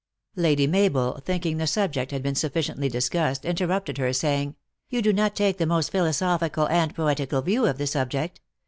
Lady Mabel, thinking the subject had been suffi ciently discussed, interrupted her, saying, "you do not take the most philosophical and poetical view of the subject.